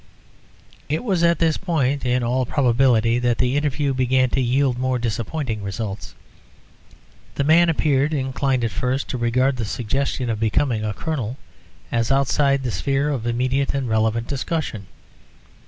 It was at this point, in all probability, that the interview began to yield more disappointing results. The man appeared inclined at first to regard the suggestion of becoming a colonel as outside the sphere of immediate and relevant discussion.